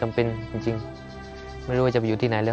และกับผู้จัดการที่เขาเป็นดูเรียนหนังสือ